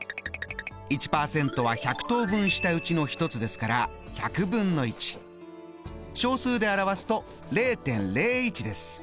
１％は１００等分したうちの１つですから小数で表すと０．０１です。